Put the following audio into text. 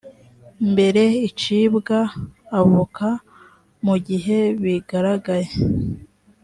mbere icibwa avoka mu gihe bigaragaye